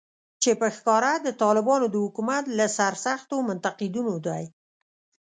چې په ښکاره د طالبانو د حکومت له سرسختو منتقدینو دی